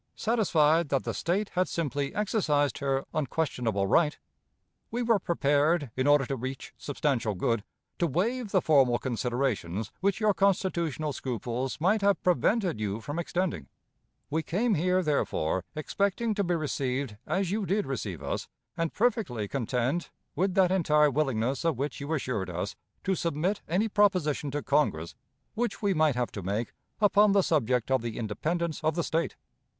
Satisfied that the State had simply exercised her unquestionable right, we were prepared, in order to reach substantial good, to waive the formal considerations which your constitutional scruples might have prevented you from extending. We came here, therefore, expecting to be received as you did receive us, and perfectly content with that entire willingness of which you assured us, to submit any proposition to Congress which we might have to make upon the subject of the independence of the State.